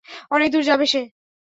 অনেকদূর যাবে সে!